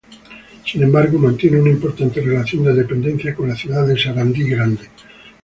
Sin embargo mantiene una importante relación de dependencia con la ciudad de Sarandí Grande.